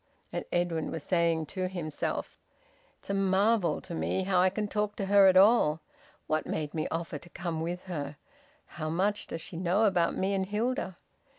And Edwin was saying to himself "It's a marvel to me how I can talk to her at all. What made me offer to come with her? How much does she know about me and Hilda?